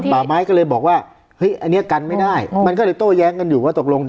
ป่าไม้ก็เลยบอกว่าเฮ้ยอันนี้กันไม่ได้มันก็เลยโต้แย้งกันอยู่ว่าตกลง